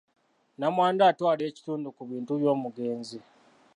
Nnamwandu atwala ekitundu ku bintu by'omugenzi.